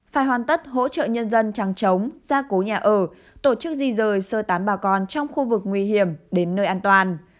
phải hoàn tất hỗ trợ nhân dân trăng trống gia cố nhà ở tổ chức di rời sơ tán bà con trong khu vực nguy hiểm đến nơi an toàn